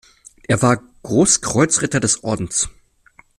Er war Großkreuz-Ritter des Ordens.